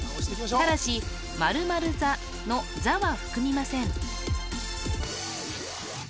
ただし○○座の「座」は含みません